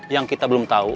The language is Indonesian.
yang kita belum tahu